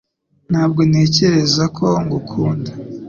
Ntabwo ntekereza ko ngukunda